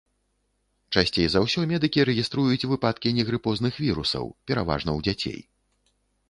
Часцей за ўсё медыкі рэгіструюць выпадкі негрыпозных вірусаў, пераважна ў дзяцей.